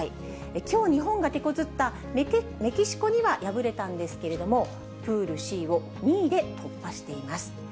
きょう日本がてこずったメキシコには敗れたんですけれども、プールＣを２位で突破しています。